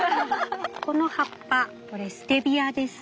この葉っぱステビアです。